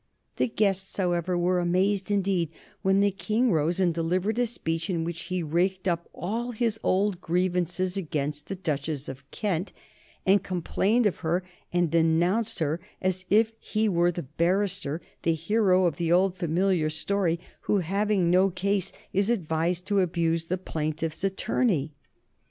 The guests, however, were amazed indeed when the King rose and delivered a speech in which he raked up all his old grievances against the Duchess of Kent, and complained of her and denounced her as if he were the barrister, the hero of the old familiar story, who, having no case, is advised to abuse the plaintiff's attorney.